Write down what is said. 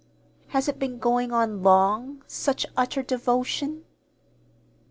"Has it been going on long such utter devotion?"